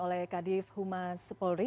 oleh kadif humas polri